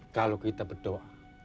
kalau kita berdoa